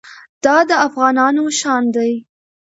دا د افغانانو شان دی.